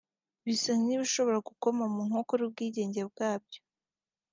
bisa n’ibishobora gukoma mu nkokora ubwigenge bwabyo